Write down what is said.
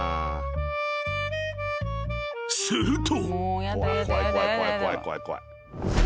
［すると］